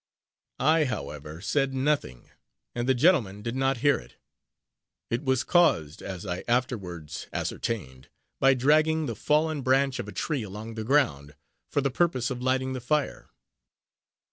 I, however, said nothing, and the gentlemen did not hear it. It was caused, as I afterwards ascertained, by dragging the fallen branch of a tree along the ground, for the purpose of lighting the fire.